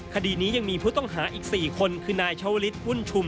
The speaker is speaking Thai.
คดีนี้ยังมีผู้ต้องหาอีก๔คนคือนายชาวลิศวุ่นชุม